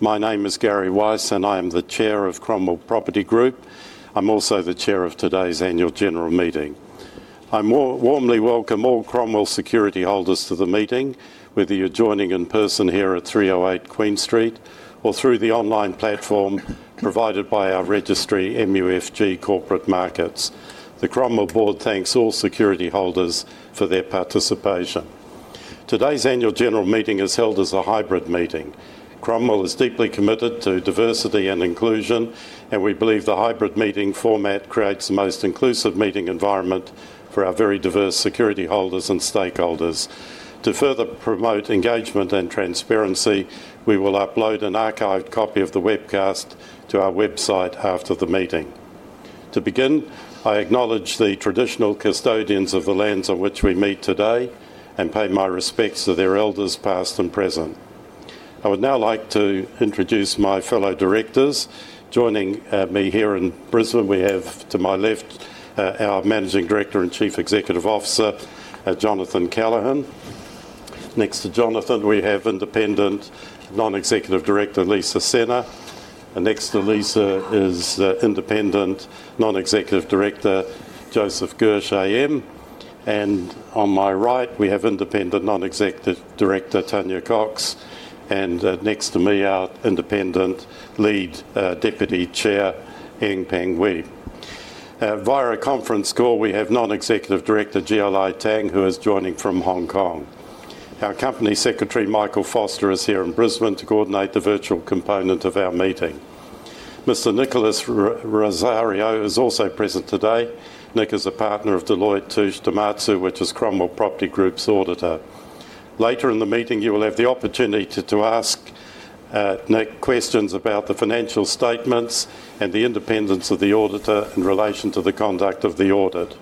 My name is Gary Weiss, and I am the Chair of Cromwell Property Group. I'm also the Chair of today's Annual General Meeting. I warmly welcome all Cromwell security holders to the meeting, whether you're joining in person here at 308 Queen Street or through the online platform provided by our registry, MUFG Investor Markets. The Cromwell Board thanks all security holders for their participation. Today's Annual General Meeting is held as a hybrid meeting. Cromwell is deeply committed to diversity and inclusion, and we believe the hybrid meeting format creates the most inclusive meeting environment for our very diverse security holders and stakeholders. To further promote engagement and transparency, we will upload an archived copy of the webcast to our website after the meeting. To begin, I acknowledge the traditional custodians of the lands on which we meet today and pay my respects to their elders, past and present. I would now like to introduce my fellow directors. Joining me here in Brisbane, we have, to my left, our Managing Director and Chief Executive Officer, Jonathan Callaghan. Next to Jonathan, we have Independent Non-Executive Director, Lisa Scenna. Next to Lisa is Independent Non-Executive Director, Joseph Gersh, AM. On my right, we have Independent Non-Executive Director, Tanya Cox. Next to me, our Independent Lead, Deputy Chair, Eng Peng Ooi. Via a conference call, we have Non-Executive Director, Jialei Tang, who is joining from Hong Kong. Our Company Secretary, Michael Foster, is here in Brisbane to coordinate the virtual component of our meeting. Mr. Nicholas Rosario is also present today. Nick is a partner of Deloitte Touche Tohmatsu, which is Cromwell Property Group's auditor. Later in the meeting, you will have the opportunity to ask Nick questions about the financial statements and the independence of the auditor in relation to the conduct of the audit.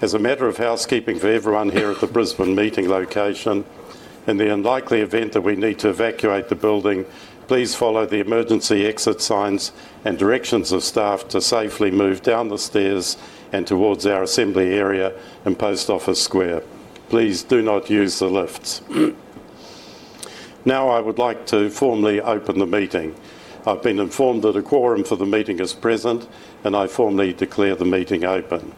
As a matter of housekeeping for everyone here at the Brisbane meeting location, in the unlikely event that we need to evacuate the building, please follow the emergency exit signs and directions of staff to safely move down the stairs and towards our assembly area in Post Office Square. Please do not use the lifts. Now, I would like to formally open the meeting. I've been informed that a quorum for the meeting is present, and I formally declare the meeting open.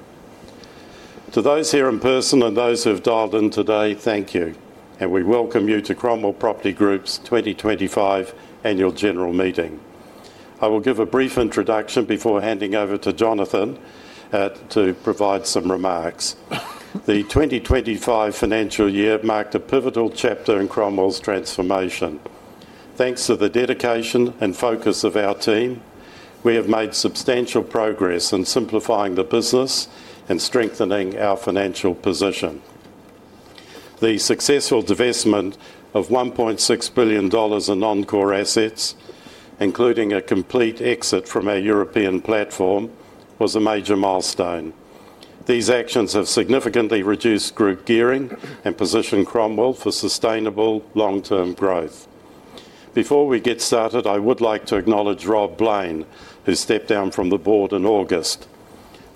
To those here in person and those who have dialed in today, thank you, and we welcome you to Cromwell Property Group's 2025 Annual General Meeting. I will give a brief introduction before handing over to Jonathan to provide some remarks. The 2025 financial year marked a pivotal chapter in Cromwell's transformation. Thanks to the dedication and focus of our team, we have made substantial progress in simplifying the business and strengthening our financial position. The successful divestment of 1.6 billion dollars in non-core assets, including a complete exit from our European platform, was a major milestone. These actions have significantly reduced group gearing and position Cromwell for sustainable long-term growth. Before we get started, I would like to acknowledge Rob Blain, who stepped down from the Board in August.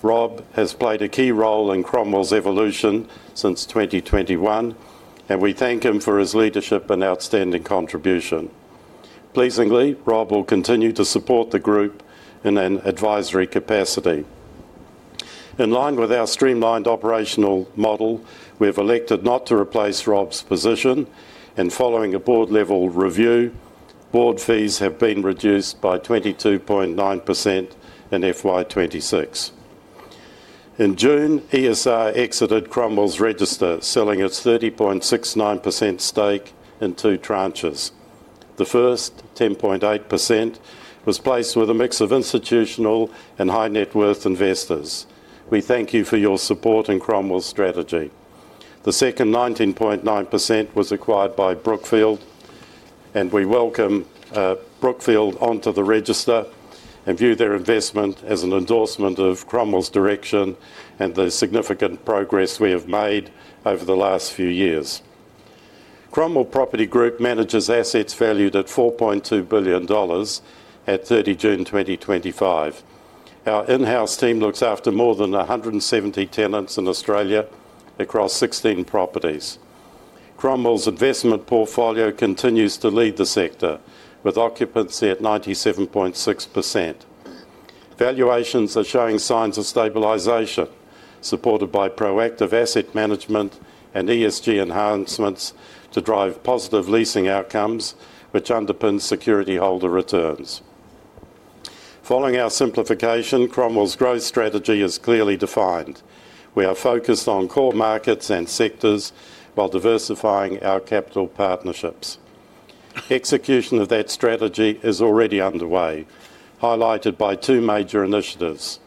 Rob has played a key role in Cromwell's evolution since 2021, and we thank him for his leadership and outstanding contribution. Pleasingly, Rob will continue to support the group in an advisory capacity. In line with our streamlined operational model, we have elected not to replace Rob's position, and following a Board-level review, Board fees have been reduced by 22.9% in FY 2026. In June, ESR exited Cromwell's register, selling its 30.69% stake in two tranches. The first, 10.8%, was placed with a mix of institutional and high-net-worth investors. We thank you for your support in Cromwell's strategy. The second, 19.9%, was acquired by Brookfield, and we welcome Brookfield onto the register and view their investment as an endorsement of Cromwell's direction and the significant progress we have made over the last few years. Cromwell Property Group manages assets valued at 4.2 billion dollars at 30 June 2025. Our in-house team looks after more than 170 tenants in Australia across 16 properties. Cromwell's investment portfolio continues to lead the sector, with occupancy at 97.6%. Valuations are showing signs of stabilization, supported by proactive asset management and ESG enhancements to drive positive leasing outcomes, which underpins security holder returns. Following our simplification, Cromwell's growth strategy is clearly defined. We are focused on core markets and sectors while diversifying our capital partnerships. Execution of that strategy is already underway, highlighted by two major initiatives.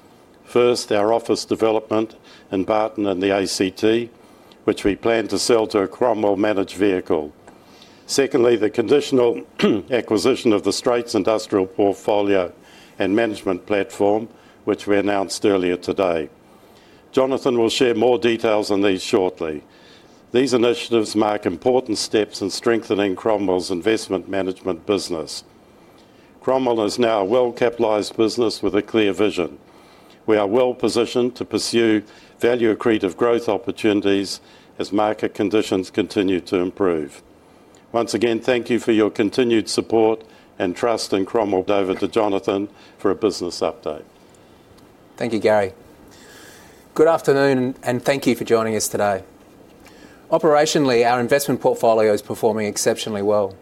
First, our office development in Barton and the ACT, which we plan to sell to a Cromwell-managed vehicle. Secondly, the conditional acquisition of the Straits Industrial Portfolio and management platform, which we announced earlier today. Jonathan will share more details on these shortly. These initiatives mark important steps in strengthening Cromwell's investment management business. Cromwell is now a well-capitalized business with a clear vision. We are well-positioned to pursue value-accretive growth opportunities as market conditions continue to improve. Once again, thank you for your continued support and trust in Cromwell. Over to Jonathan for a business update. Thank you, Gary. Good afternoon, and thank you for joining us today. Operationally, our investment portfolio is performing exceptionally well.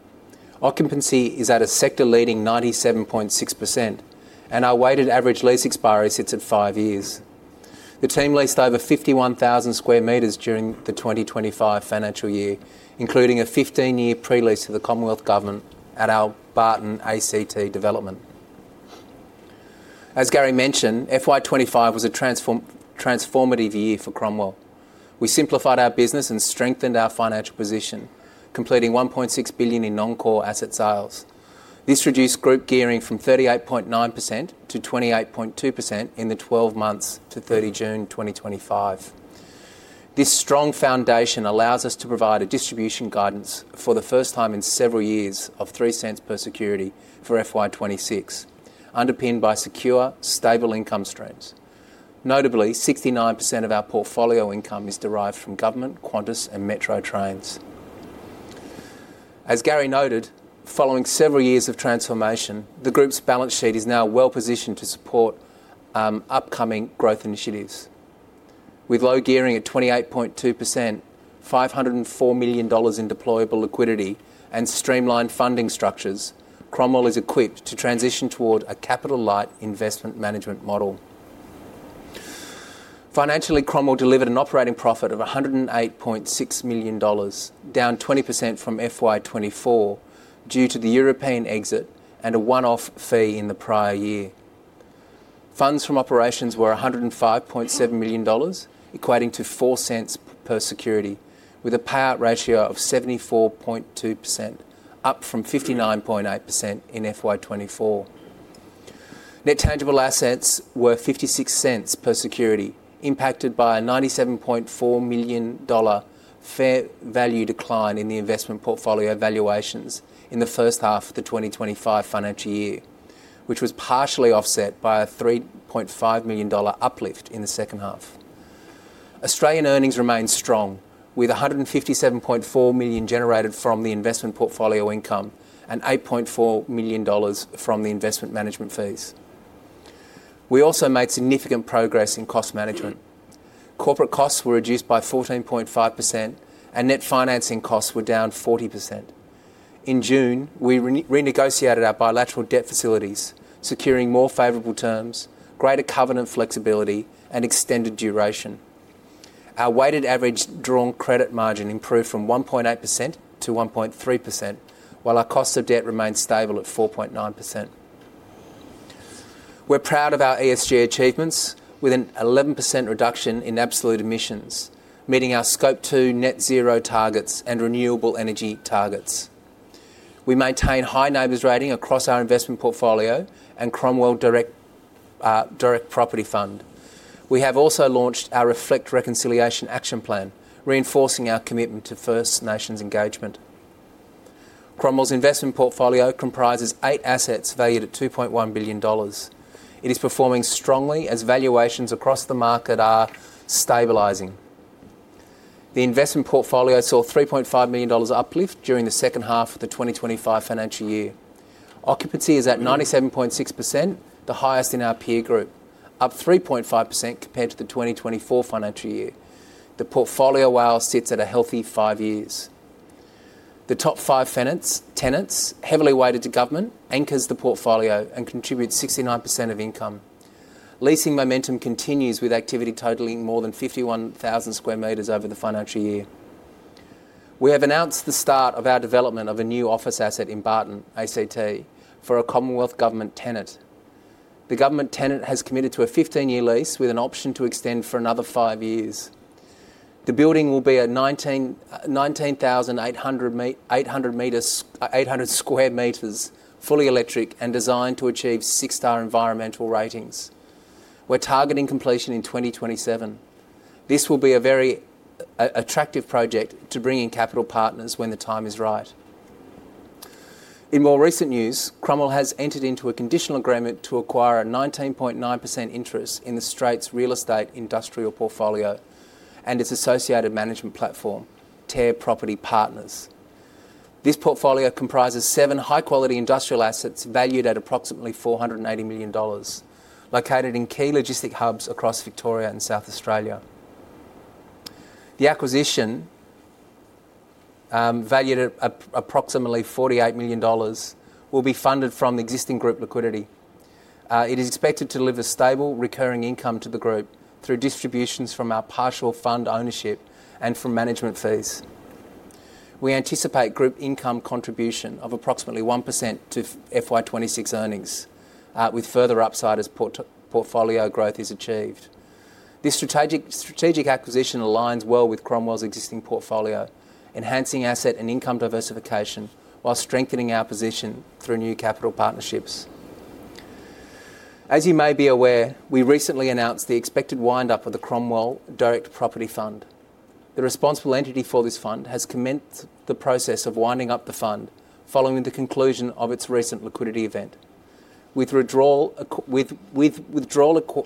Occupancy is at a sector-leading 97.6%, and our weighted average lease expiry sits at five years. The team leased over 51,000 sq m during the 2025 financial year, including a 15-year pre-lease to the Commonwealth Government at our Barton ACT development. As Gary mentioned, 2025 was a transformative year for Cromwell. We simplified our business and strengthened our financial position, completing 1.6 billion in non-core asset sales. This reduced group gearing from 38.9% to 28.2% in the 12 months to 30 June 2025. This strong foundation allows us to provide a distribution guidance for the first time in several years of 0.03 per security for FY 2026, underpinned by secure, stable income streams. Notably, 69% of our portfolio income is derived from government, Qantas, and Metro Trains. As Gary noted, following several years of transformation, the group's balance sheet is now well-positioned to support upcoming growth initiatives. With low gearing at 28.2%, 504 million dollars in deployable liquidity, and streamlined funding structures, Cromwell is equipped to transition toward a capital-light investment management model. Financially, Cromwell delivered an operating profit of 108.6 million dollars, down 20% from FY 2024 due to the European exit and a one-off fee in the prior year. Funds from operations were 105.7 million dollars, equating to 0.04 per security, with a payout ratio of 74.2%, up from 59.8% in FY 2024. Net tangible assets were 0.56 per security, impacted by a 97.4 million dollar fair value decline in the investment portfolio valuations in the first half of the 2025 financial year, which was partially offset by a AUD 3.5 million uplift in the second half. Australian earnings remained strong, with 157.4 million generated from the investment portfolio income and 8.4 million dollars from the investment management fees. We also made significant progress in cost management. Corporate costs were reduced by 14.5%, and net financing costs were down 40%. In June, we renegotiated our bilateral debt facilities, securing more favorable terms, greater covenant flexibility, and extended duration. Our weighted average drawn credit margin improved from 1.8% to 1.3%, while our cost of debt remained stable at 4.9%. We're proud of our ESG achievements, with an 11% reduction in absolute emissions, meeting our Scope 2 net zero targets and renewable energy targets. We maintain high NABERS rating across our investment portfolio and Cromwell Direct Property Fund. We have also launched our Reflect Reconciliation Action Plan, reinforcing our commitment to First Nations engagement. Cromwell's investment portfolio comprises eight assets valued at 2.1 billion dollars. It is performing strongly as valuations across the market are stabilizing. The investment portfolio saw 3.5 million dollars uplift during the second half of the 2025 financial year. Occupancy is at 97.6%, the highest in our peer group, up 3.5% compared to the 2024 financial year. The portfolio WALE sits at a healthy five years. The top five tenants, heavily weighted to government, anchor the portfolio and contribute 69% of income. Leasing momentum continues with activity totaling more than 51,000 sq m over the financial year. We have announced the start of our development of a new office asset in Barton ACT for a Commonwealth Government tenant. The government tenant has committed to a 15-year lease with an option to extend for another five years. The building will be 19,800 sq m, fully electric and designed to achieve six-star environmental ratings. We're targeting completion in 2027. This will be a very attractive project to bring in capital partners when the time is right. In more recent news, Cromwell has entered into a conditional agreement to acquire a 19.9% interest in the Straits Real Estate Industrial Portfolio and its associated management platform, Terre Property Partners. This portfolio comprises seven high-quality industrial assets valued at approximately 480 million dollars, located in key logistic hubs across Victoria and South Australia. The acquisition, valued at approximately 48 million dollars, will be funded from existing group liquidity. It is expected to deliver stable, recurring income to the group through distributions from our partial fund ownership and from management fees. We anticipate group income contribution of approximately 1% to FY 2026 earnings, with further upside as portfolio growth is achieved. This strategic acquisition aligns well with Cromwell's existing portfolio, enhancing asset and income diversification while strengthening our position through new capital partnerships. As you may be aware, we recently announced the expected windup of the Cromwell Direct Property Fund. The responsible entity for this fund has commenced the process of winding up the fund following the conclusion of its recent liquidity event. With withdrawal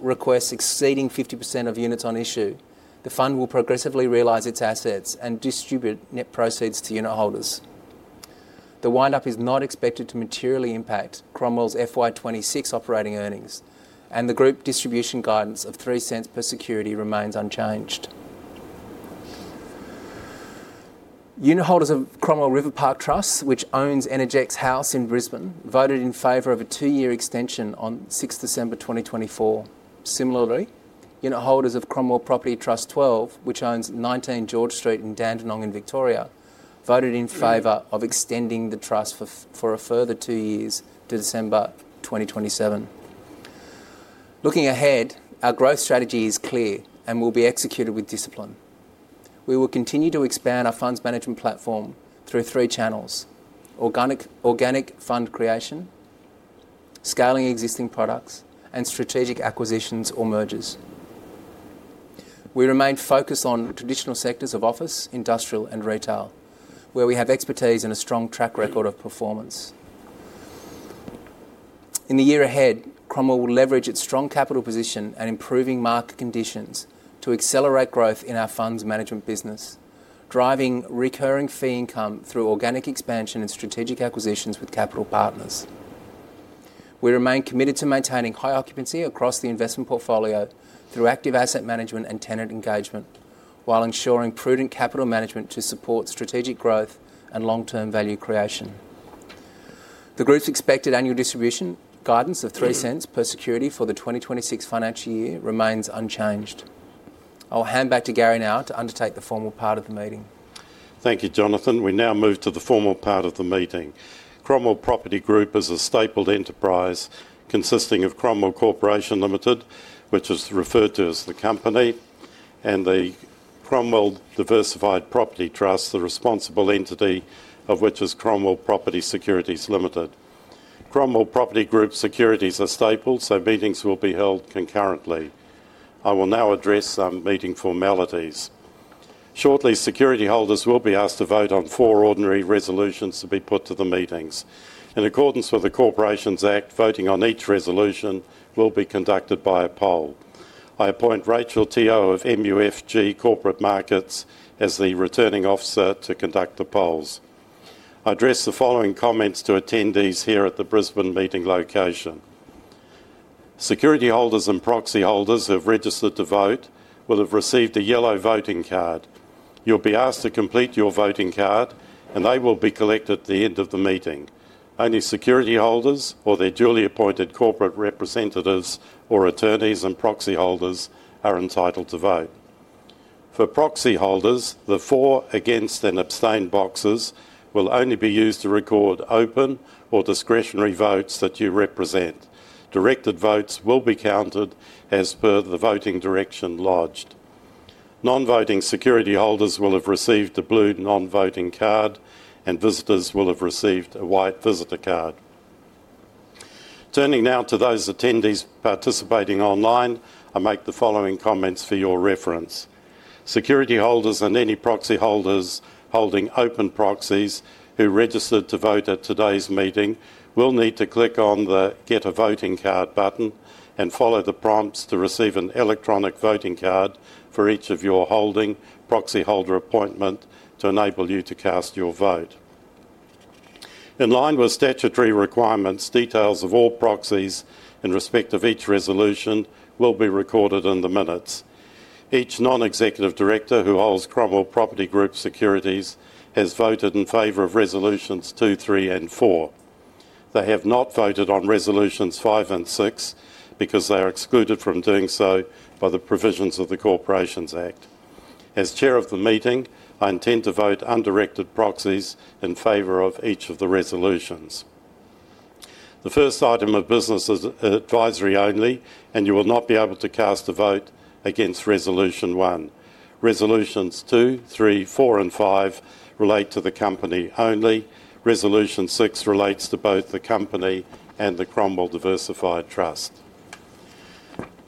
requests exceeding 50% of units on issue, the fund will progressively realize its assets and distribute net proceeds to unit holders. The windup is not expected to materially impact Cromwell's FY 2026 operating earnings, and the group distribution guidance of 0.03 per security remains unchanged. Unit holders of Cromwell Riverpark Trust, which owns Energex House in Brisbane, voted in favor of a two-year extension on 6 December 2024. Similarly, unit holders of Cromwell Property Trust 12, which owns 19 George Street in Dandenong in Victoria, voted in favor of extending the trust for a further two years to December 2027. Looking ahead, our growth strategy is clear and will be executed with discipline. We will continue to expand our funds management platform through three channels: organic fund creation, scaling existing products, and strategic acquisitions or mergers. We remain focused on traditional sectors of office, industrial, and retail, where we have expertise and a strong track record of performance. In the year ahead, Cromwell will leverage its strong capital position and improving market conditions to accelerate growth in our funds management business, driving recurring fee income through organic expansion and strategic acquisitions with capital partners. We remain committed to maintaining high occupancy across the investment portfolio through active asset management and tenant engagement, while ensuring prudent capital management to support strategic growth and long-term value creation. The group's expected annual distribution guidance of 0.03 per security for the 2026 financial year remains unchanged. I'll hand back to Gary now to undertake the formal part of the meeting. Thank you, Jonathan. We now move to the formal part of the meeting. Cromwell Property Group is a stapled enterprise consisting of Cromwell Corporation Limited, which is referred to as the Company, and the Cromwell Diversified Property Trust, the responsible entity of which is Cromwell Property Securities Limited. Cromwell Property Group securities are stapled, so meetings will be held concurrently. I will now address some meeting formalities. Shortly, security holders will be asked to vote on four ordinary resolutions to be put to the meetings. In accordance with the Corporations Act, voting on each resolution will be conducted by a poll. I appoint Rachel Teo of MUFG Investor Services as the returning officer to conduct the polls. I address the following comments to attendees here at the Brisbane meeting location. Security holders and proxy holders who have registered to vote will have received a yellow voting card. You'll be asked to complete your voting card, and they will be collected at the end of the meeting. Only security holders or their duly appointed corporate representatives or attorneys and proxy holders are entitled to vote. For proxy holders, the for, against, and abstain boxes will only be used to record open or discretionary votes that you represent. Directed votes will be counted as per the voting direction lodged. Non-voting security holders will have received a blue non-voting card, and visitors will have received a white visitor card. Turning now to those attendees participating online, I make the following comments for your reference. Security holders and any proxy holders holding open proxies who registered to vote at today's meeting will need to click on the Get a Voting Card button and follow the prompts to receive an electronic voting card for each of your holding proxy holder appointment to enable you to cast your vote. In line with statutory requirements, details of all proxies in respect of each resolution will be recorded in the minutes. Each non-executive director who holds Cromwell Property Group securities has voted in favor of Resolutions 2, 3, and 4. They have not voted on Resolutions 5 and 6 because they are excluded from doing so by the provisions of the Corporations Act. As Chair of the meeting, I intend to vote on directed proxies in favor of each of the resolutions. The first item of business is advisory only, and you will not be able to cast a vote against Resolution 1. Resolutions 2, 3, 4, and 5 relate to the company only. Resolution 6 relates to both the company and the Cromwell Diversified Property Trust.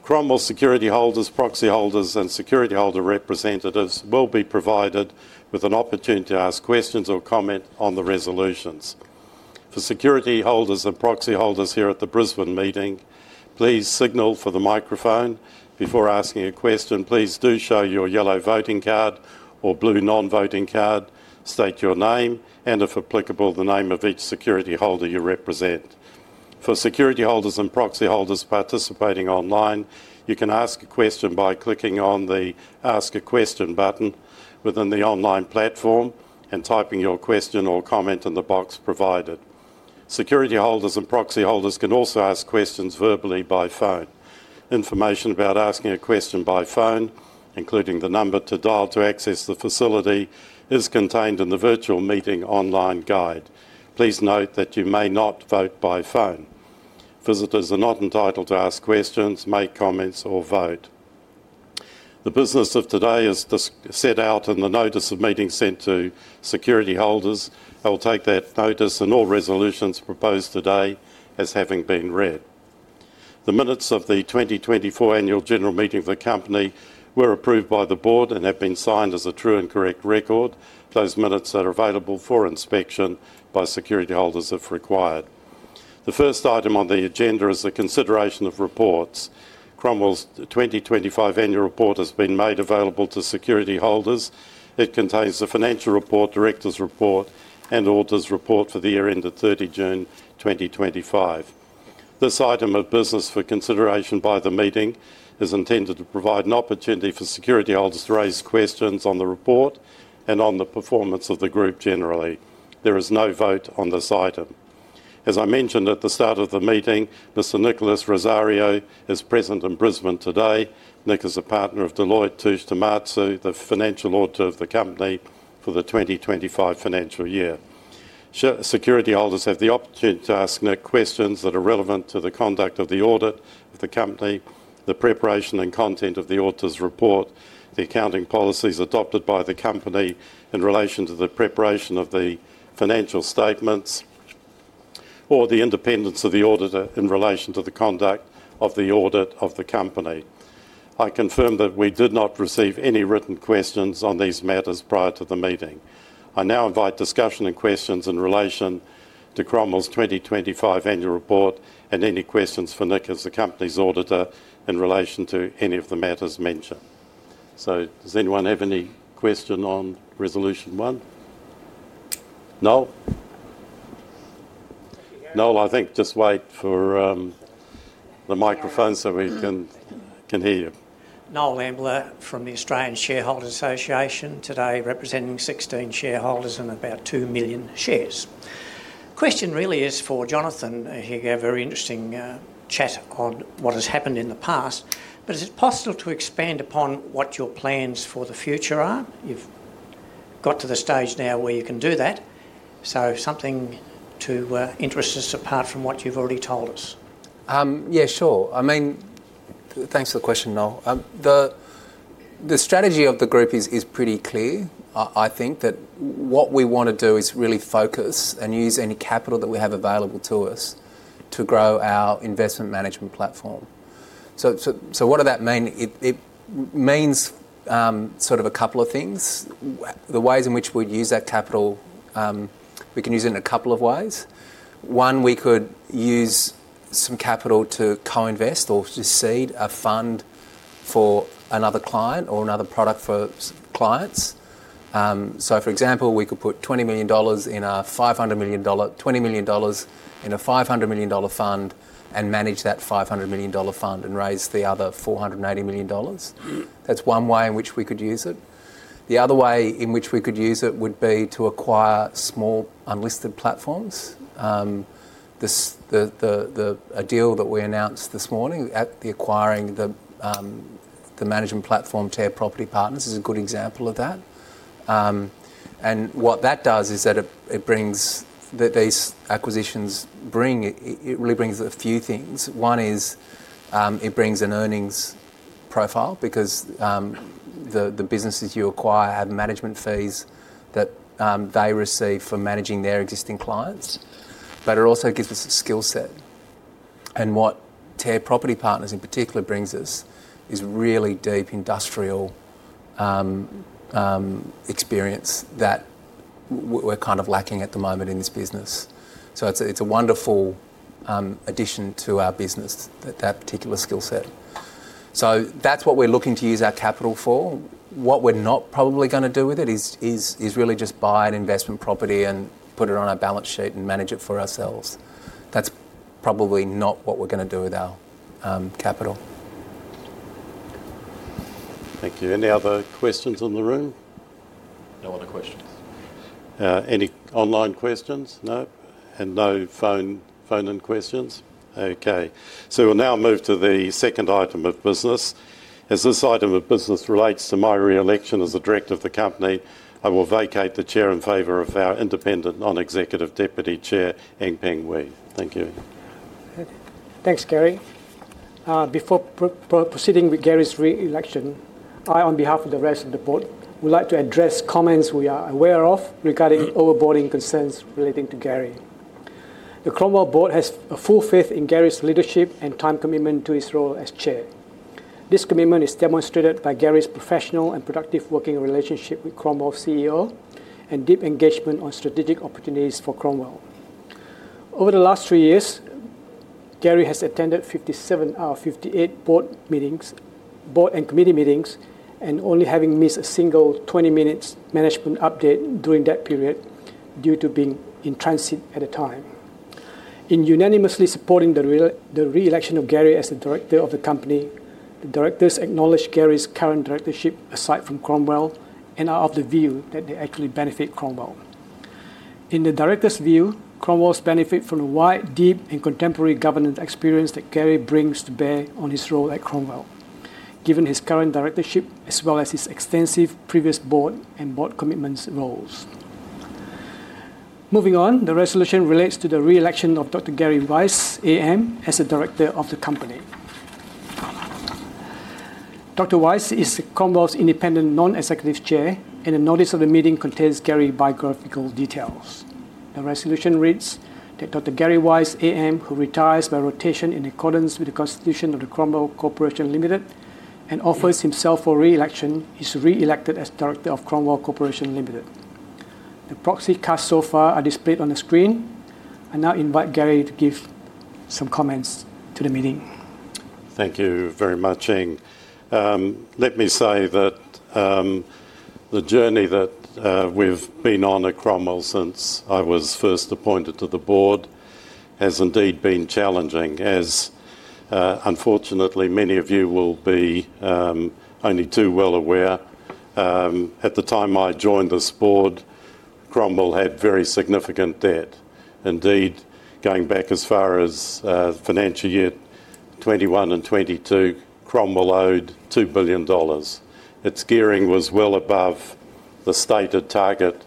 Cromwell security holders, proxy holders, and security holder representatives will be provided with an opportunity to ask questions or comment on the resolutions. For security holders and proxy holders here at the Brisbane meeting, please signal for the microphone before asking a question. Please do show your yellow voting card or blue non-voting card, state your name, and if applicable, the name of each security holder you represent. For security holders and proxy holders participating online, you can ask a question by clicking on the Ask a Question button within the online platform and typing your question or comment in the box provided. Security holders and proxy holders can also ask questions verbally by phone. Information about asking a question by phone, including the number to dial to access the facility, is contained in the virtual meeting online guide. Please note that you may not vote by phone. Visitors are not entitled to ask questions, make comments, or vote. The business of today is set out in the notice of meeting sent to security holders. I will take that notice and all resolutions proposed today as having been read. The minutes of the 2024 Annual General Meeting of the company were approved by the board and have been signed as a true and correct record. Those minutes are available for inspection by security holders if required. The first item on the agenda is the consideration of reports. Cromwell's 2025 Annual Report has been made available to security holders. It contains the financial report, Director's report, and auditor's report for the year ended 30 June 2025. This item of business for consideration by the meeting is intended to provide an opportunity for security holders to raise questions on the report and on the performance of the group generally. There is no vote on this item. As I mentioned at the start of the meeting, Mr. Nicholas Rosario is present in Brisbane today. Nick is a partner of Deloitte Touche Tohmatsu, the financial auditor of the company for the 2025 financial year. Security holders have the opportunity to ask Nick questions that are relevant to the conduct of the audit of the company, the preparation and content of the auditor's report, the accounting policies adopted by the company in relation to the preparation of the financial statements, or the independence of the auditor in relation to the conduct of the audit of the company. I confirm that we did not receive any written questions on these matters prior to the meeting. I now invite discussion and questions in relation to Cromwell's 2025 Annual Report and any questions for Nick as the company's auditor in relation to any of the matters mentioned. Does anyone have any question on Resolution 1? No? Noel, I think just wait for the microphone so we can hear you. Noel Ambler from the Australian Shareholders Association today representing 16 shareholders and about 2 million shares. Question really is for Jonathan. He gave a very interesting chat on what has happened in the past, but is it possible to expand upon what your plans for the future are? You've got to the stage now where you can do that. Something to interest us apart from what you've already told us. Yeah, sure. I mean, thanks for the question, Noel. The strategy of the group is pretty clear. I think that what we want to do is really focus and use any capital that we have available to us to grow our investment management platform. What does that mean? It means sort of a couple of things. The ways in which we'd use that capital, we can use it in a couple of ways. One, we could use some capital to co-invest or to seed a fund for another client or another product for clients. For example, we could put 20 million dollars in a 500 million dollar fund and manage that 500 million dollar fund and raise the other 480 million dollars. That's one way in which we could use it. The other way in which we could use it would be to acquire small unlisted platforms. The deal that we announced this morning at the acquiring the management platform, Terre Property Partners, is a good example of that. What that does is that it brings these acquisitions bring it really brings a few things. One is it brings an earnings profile because the businesses you acquire have management fees that they receive for managing their existing clients. It also gives us a skill set. What Terre Property Partners in particular brings us is really deep industrial experience that we're kind of lacking at the moment in this business. It is a wonderful addition to our business, that particular skill set. That is what we're looking to use our capital for. What we're not probably going to do with it is really just buy an investment property and put it on our balance sheet and manage it for ourselves. That's probably not what we're going to do with our capital. Thank you. Any other questions in the room? No other questions. Any online questions? No. And no phone-in questions? Okay. So we'll now move to the second item of business. As this item of business relates to my re-election as the director of the company, I will vacate the Chair in favor of our Independent Non-Executive Deputy Chair, Eng Peng Ooi. Thank you. Thanks, Gary. Before proceeding with Gary's re-election, I, on behalf of the rest of the board, would like to address comments we are aware of regarding overboarding concerns relating to Gary. The Cromwell Board has full faith in Gary's leadership and time commitment to his role as Chair. This commitment is demonstrated by Gary's professional and productive working relationship with Cromwell CEO and deep engagement on strategic opportunities for Cromwell. Over the last three years, Gary has attended 57 out of 58 Board meetings, Board and committee meetings, and only having missed a single 20-minute management update during that period due to being in transit at the time. In unanimously supporting the re-election of Gary as the director of the company, the directors acknowledge Gary's current directorship aside from Cromwell and are of the view that they actually benefit Cromwell. In the director's view, Cromwell benefits from the wide, deep, and contemporary governance experience that Gary brings to bear on his role at Cromwell, given his current directorship, as well as his extensive previous board and board commitments roles. Moving on, the resolution relates to the re-election of Dr. Gary Weiss, AM, as the director of the company. Dr. Weiss is Cromwell's independent non-executive chair, and the notice of the meeting contains Gary's biographical details. The resolution reads that Dr. Gary Weiss, AM, who retires by rotation in accordance with the constitution of Cromwell Corporation Limited and offers himself for re-election, is re-elected as director of Cromwell Corporation Limited. The proxy cards so far are displayed on the screen. I now invite Gary to give some comments to the meeting. Thank you very much. Let me say that the journey that we've been on at Cromwell since I was first appointed to the board has indeed been challenging, as unfortunately, many of you will be only too well aware. At the time I joined this board, Cromwell had very significant debt. Indeed, going back as far as financial year 2021 and 2022, Cromwell owed 2 billion dollars. Its gearing was well above the stated target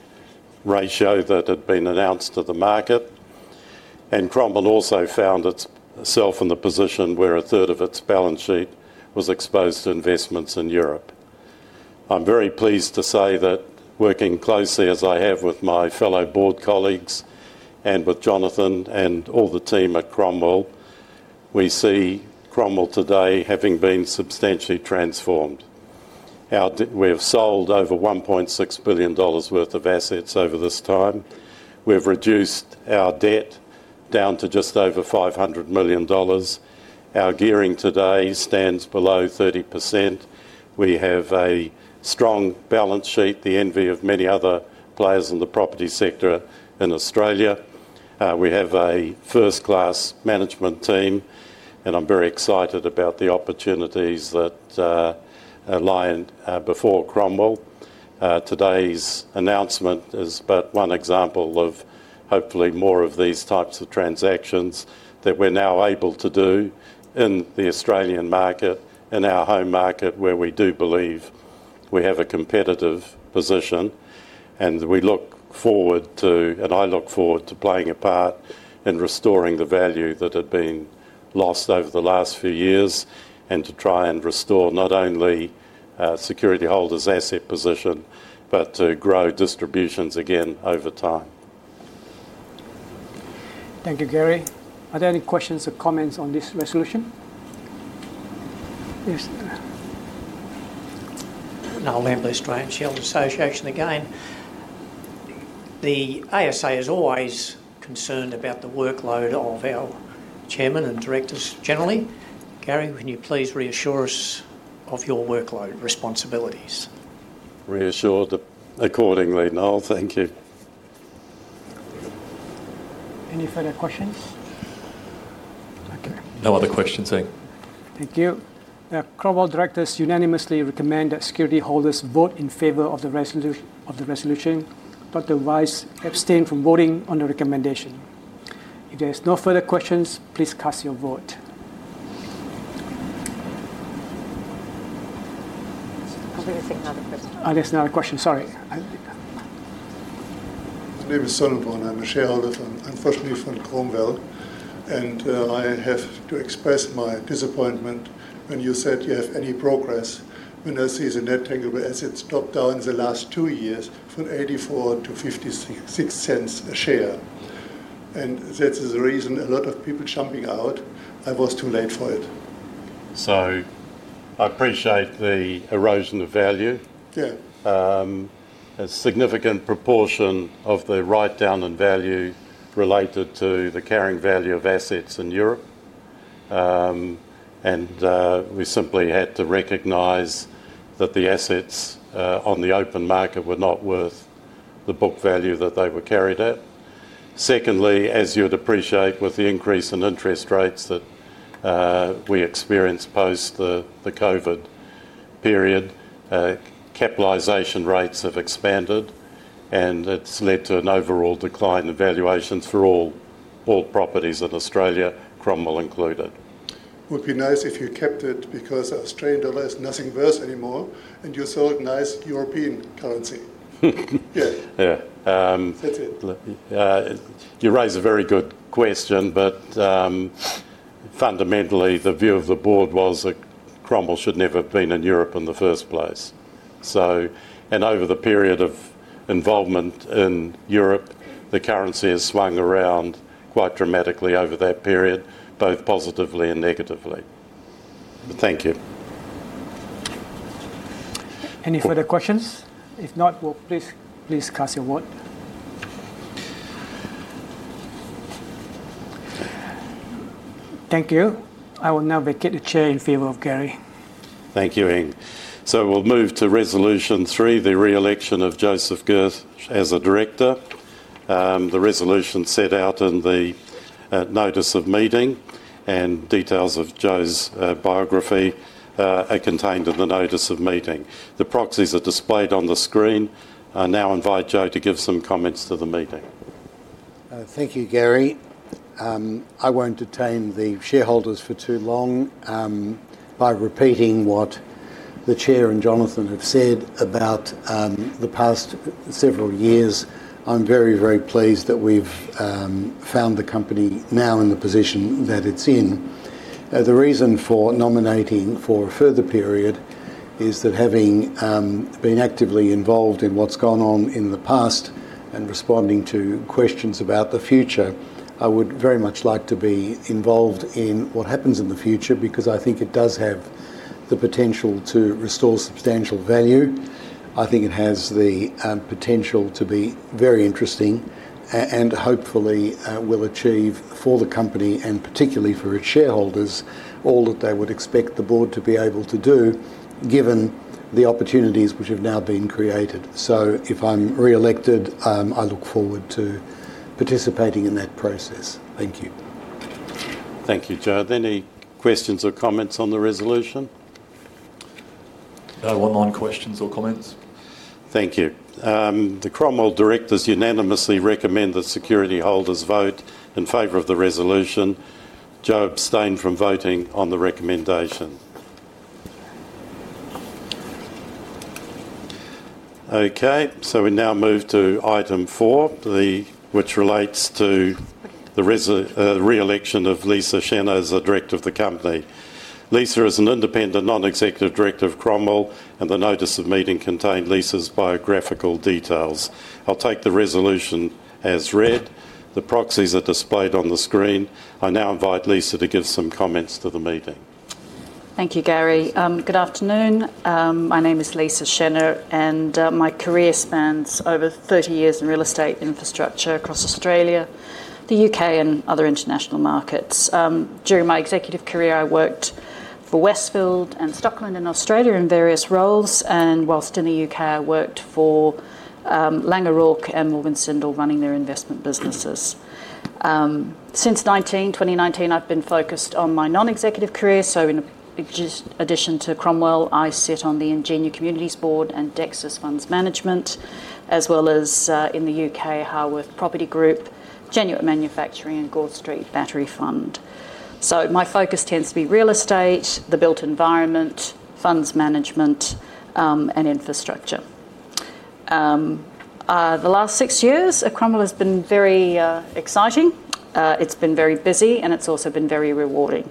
ratio that had been announced to the market, and Cromwell also found itself in the position where a third of its balance sheet was exposed to investments in Europe. I'm very pleased to say that working closely as I have with my fellow board colleagues and with Jonathan and all the team at Cromwell, we see Cromwell today having been substantially transformed. We have sold over 1.6 billion dollars worth of assets over this time. We have reduced our debt down to just over 500 million dollars. Our gearing today stands below 30%. We have a strong balance sheet, the envy of many other players in the property sector in Australia. We have a first-class management team, and I am very excited about the opportunities that lie before Cromwell. Today's announcement is but one example of hopefully more of these types of transactions that we are now able to do in the Australian market, in our home market, where we do believe we have a competitive position. I look forward to playing a part in restoring the value that had been lost over the last few years and to try and restore not only security holders' asset position, but to grow distributions again over time. Thank you, Gary. Are there any questions or comments on this resolution? Noel Ambler, Australian Shareholders Association. Again, the ASA is always concerned about the workload of our Chairman and directors generally. Gary, can you please reassure us of your workload responsibilities? Reassured accordingly. Noel, thank you. Any further questions? Okay. No other questions, Eng. Thank you. Cromwell directors unanimously recommend that security holders vote in favor of the resolution. Dr. Weiss abstained from voting on the recommendation. If there's no further questions, please cast your vote. I was going to say another question. Oh, there's another question. Sorry. My name is [Solomon]. I'm a shareholder, unfortunately from Cromwell, and I have to express my disappointment when you said you have any progress when I see the net tangible assets drop down in the last two years from 0.84 to 0.56 a share. That is the reason a lot of people jumping out. I was too late for it. I appreciate the erosion of value. Yeah. A significant proportion of the write-down in value related to the carrying value of assets in Europe. We simply had to recognize that the assets on the open market were not worth the book value that they were carried at. Secondly, as you'd appreciate with the increase in interest rates that we experienced post the COVID period, capitalization rates have expanded, and it has led to an overall decline in valuations for all properties in Australia, Cromwell included. Would be nice if you kept it because Australian dollar is nothing worth anymore, and you sold nice European currency. Yeah. Yeah. That's it. You raise a very good question, but fundamentally, the view of the board was that Cromwell should never have been in Europe in the first place. Over the period of involvement in Europe, the currency has swung around quite dramatically over that period, both positively and negatively. Thank you. Any further questions? If not, please cast your vote. Thank you. I will now vacate the Chair in favor of Gary. Thank you, Eng. We will move to Resolution 3, the re-election of Joseph Gersh as a director. The resolution is set out in the notice of meeting, and details of Joe's biography are contained in the notice of meeting. The proxies are displayed on the screen. I now invite Joe to give some comments to the meeting. Thank you, Gary. I won't detain the shareholders for too long. By repeating what the Chair and Jonathan have said about the past several years, I'm very, very pleased that we've found the company now in the position that it's in. The reason for nominating for a further period is that having been actively involved in what's gone on in the past and responding to questions about the future, I would very much like to be involved in what happens in the future because I think it does have the potential to restore substantial value. I think it has the potential to be very interesting and hopefully will achieve for the company and particularly for its shareholders all that they would expect the board to be able to do given the opportunities which have now been created. If I'm re-elected, I look forward to participating in that process. Thank you. Thank you, Joe. Any questions or comments on the resolution? No one on questions or comments. Thank you. The Cromwell directors unanimously recommend that security holders vote in favor of the resolution. Joe abstained from voting on the recommendation. Okay. We now move to item four, which relates to the re-election of Lisa Scenna as the director of the company. Lisa is an independent non-executive director of Cromwell, and the notice of meeting contained Lisa's biographical details. I'll take the resolution as read. The proxies are displayed on the screen. I now invite Lisa to give some comments to the meeting. Thank you, Gary. Good afternoon. My name is Lisa Scenna, and my career spans over 30 years in real estate infrastructure across Australia, the U.K., and other international markets. During my executive career, I worked for Westfield and Stockland in Australia in various roles, and whilst in the U.K., I worked for Laing O'Rourke and Morgan Stanley running their investment businesses. Since 2019, I've been focused on my non-executive career. In addition to Cromwell, I sit on the Ingenia Communities Board and Dexus Funds Management, as well as in the U.K., Harworth Property Group, Genuit Manufacturing, and Gore Street Battery Fund. My focus tends to be real estate, the built environment, funds management, and infrastructure. The last six years, Cromwell has been very exciting. It's been very busy, and it's also been very rewarding.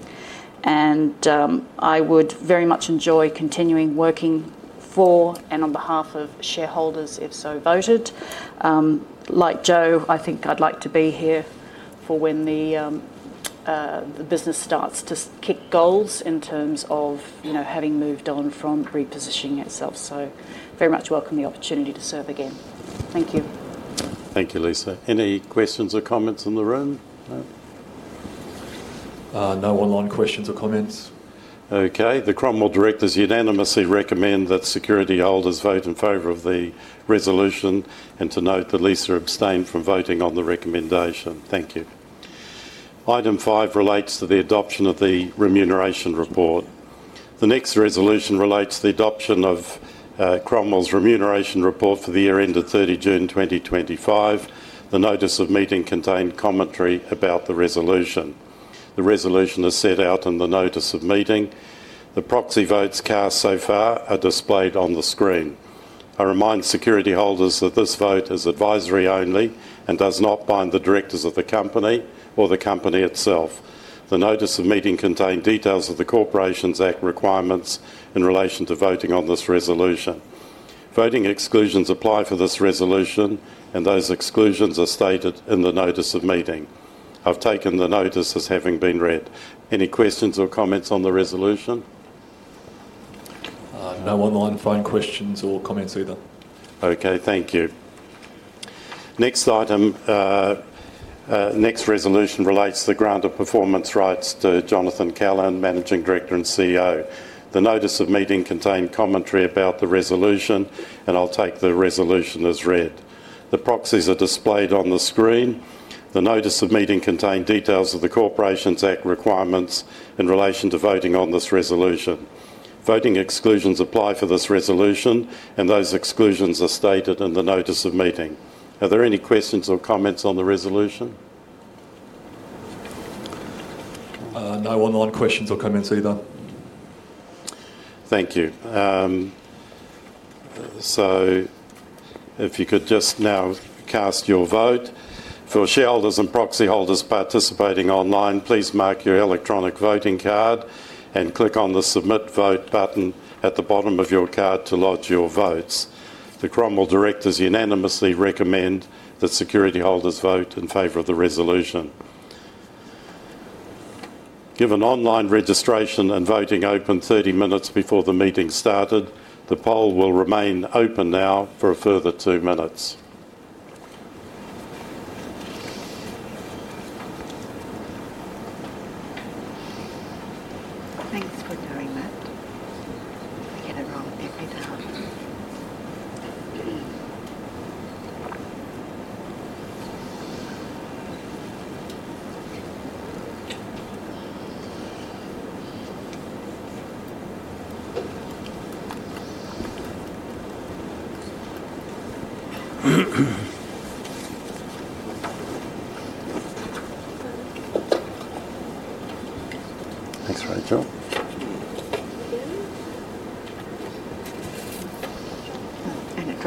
I would very much enjoy continuing working for and on behalf of shareholders, if so voted. Like Joe, I think I'd like to be here for when the business starts to kick goals in terms of having moved on from repositioning itself. I very much welcome the opportunity to serve again. Thank you. Thank you, Lisa. Any questions or comments in the room? No online questions or comments. Okay. The Cromwell directors unanimously recommend that security holders vote in favor of the resolution, and to note that Lisa abstained from voting on the recommendation. Thank you. Item five relates to the adoption of the remuneration report. The next resolution relates to the adoption of Cromwell's remuneration report for the year ended 30 June 2025. The notice of meeting contained commentary about the resolution. The resolution is set out in the notice of meeting. The proxy votes cast so far are displayed on the screen. I remind security holders that this vote is advisory only and does not bind the directors of the company or the company itself. The notice of meeting contained details of the Corporations Act requirements in relation to voting on this resolution. Voting exclusions apply for this resolution, and those exclusions are stated in the notice of meeting. I've taken the notice as having been read. Any questions or comments on the resolution? No online questions or comments either. Okay. Thank you. Next item, next resolution relates to the grant of performance rights to Jonathan Callaghan, Managing Director and CEO. The notice of meeting contained commentary about the resolution, and I'll take the resolution as read. The proxies are displayed on the screen. The notice of meeting contained details of the Corporations Act requirements in relation to voting on this resolution. Voting exclusions apply for this resolution, and those exclusions are stated in the notice of meeting. Are there any questions or comments on the resolution? No online questions or comments either. Thank you. If you could just now cast your vote. For shareholders and proxy holders participating online, please mark your electronic voting card and click on the submit vote button at the bottom of your card to lodge your votes. The Cromwell directors unanimously recommend that security holders vote in favor of the resolution. Given online registration and voting opened 30 minutes before the meeting started, the poll will remain open now for a further two minutes.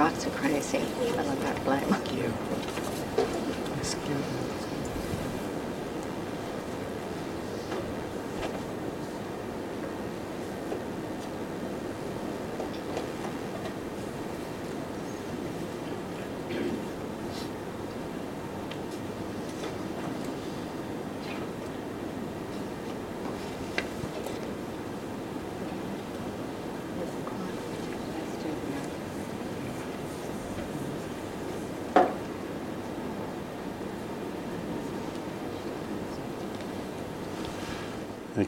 Thanks for doing that. I get it wrong every time. Thanks, Rachel. It drives me crazy. Thank you.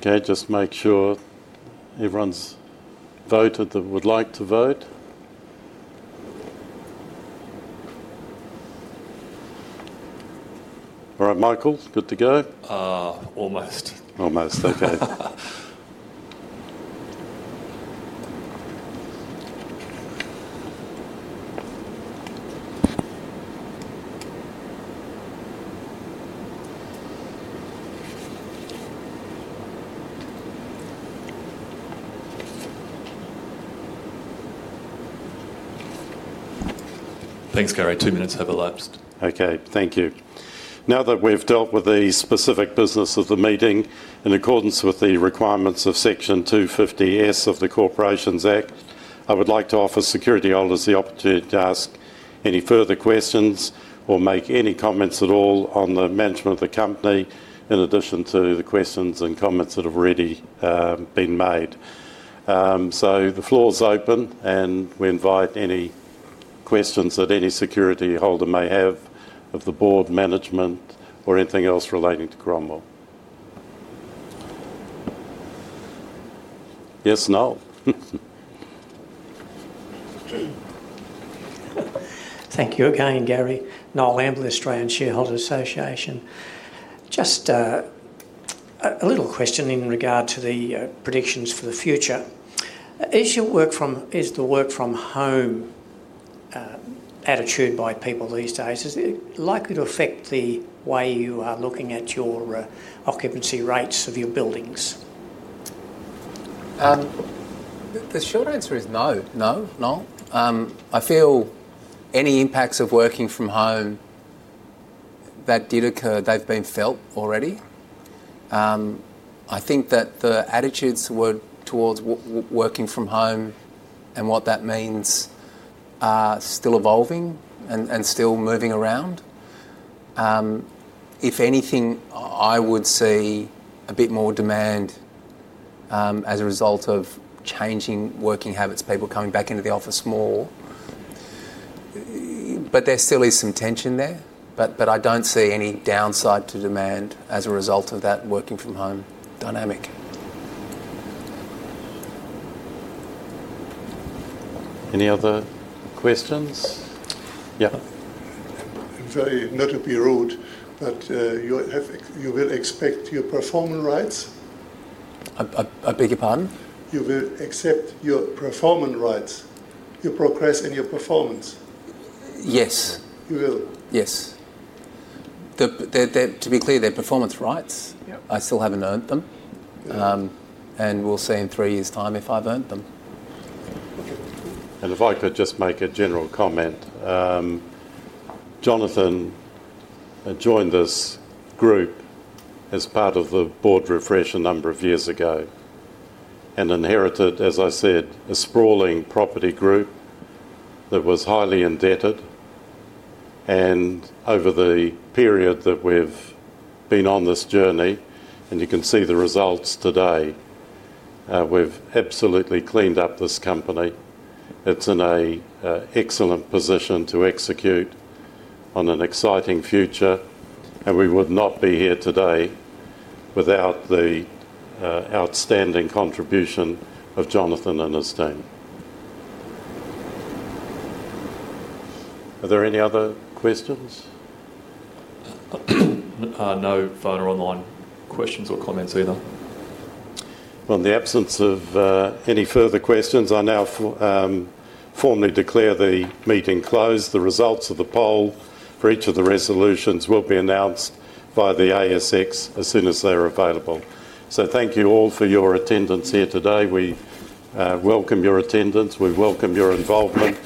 Okay. Just make sure everyone's voted that would like to vote. All right, Michael, good to go? Almost. Almost. Okay. Thanks, Gary. Two minutes have elapsed. Okay. Thank you. Now that we've dealt with the specific business of the meeting in accordance with the requirements of Section 250S of the Corporations Act, I would like to offer security holders the opportunity to ask any further questions or make any comments at all on the management of the company in addition to the questions and comments that have already been made. The floor is open, and we invite any questions that any security holder may have of the board, management, or anything else relating to Cromwell. Yes, Noel? Thank you again, Gary. Noel Ambler, Australian Shareholders Association. Just a little question in regard to the predictions for the future. Is the work from home attitude by people these days likely to affect the way you are looking at your occupancy rates of your buildings? The short answer is no. No. No. I feel any impacts of working from home that did occur, they've been felt already. I think that the attitudes towards working from home and what that means are still evolving and still moving around. If anything, I would see a bit more demand as a result of changing working habits, people coming back into the office more. There still is some tension there, but I don't see any downside to demand as a result of that working from home dynamic. Any other questions? Yeah. Sorry, not to be rude, but you will expect your performance rights? I beg your pardon? You will accept your performance rights, your progress, and your performance. Yes. You will. Yes. To be clear, they're performance rights, I still haven't earned them. We'll see in three years' time if I've earned them. If I could just make a general comment. Jonathan joined this group as part of the board refresh a number of years ago and inherited, as I said, a sprawling property group that was highly indebted. Over the period that we've been on this journey, and you can see the results today, we've absolutely cleaned up this company. It's in an excellent position to execute on an exciting future, and we would not be here today without the outstanding contribution of Jonathan and his team. Are there any other questions? No further online questions or comments either. In the absence of any further questions, I now formally declare the meeting closed. The results of the poll for each of the resolutions will be announced by the ASX as soon as they're available. Thank you all for your attendance here today. We welcome your attendance. We welcome your involvement,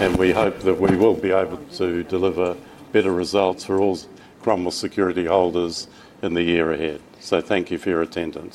and we hope that we will be able to deliver better results for all Cromwell security holders in the year ahead. Thank you for your attendance.